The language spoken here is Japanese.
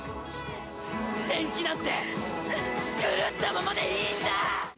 天気なんて狂ったままでいいんだ。